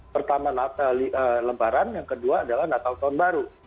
pertama lebaran yang kedua adalah natal tahun baru